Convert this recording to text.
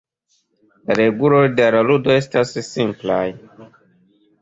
La reguloj de la ludo estas simplaj.